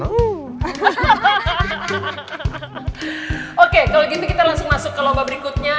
hahaha oke kalau gitu kita langsung masuk ke lomba berikutnya